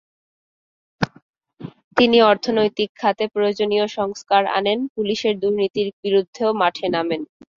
তিনি অর্থনৈতিক খাতে প্রয়োজনীয় সংস্কার আনেন, পুলিশের দুর্নীতির বিরুদ্ধেও মাঠে নামেন।